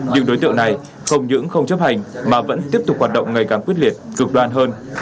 nhưng đối tượng này không những không chấp hành mà vẫn tiếp tục hoạt động ngày càng quyết liệt trục đoan hơn